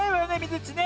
ずっちね？